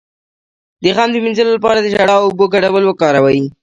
د غم د مینځلو لپاره د ژړا او اوبو ګډول وکاروئ